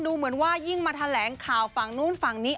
ดูเหมือนว่ายิ่งมาทะแหลงข่าวฟังฝั่งนนี้